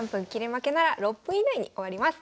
負けなら６分以内に終わります。